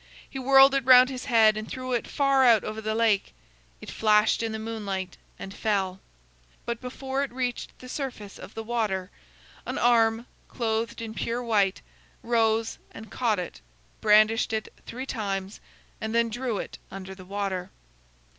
He whirled it round his head and threw it far out over the lake. It flashed in the moonlight and fell. But before it reached the surface of the water, an arm, clothed in pure white, rose and caught it, brandished it three times, and then drew it under the water.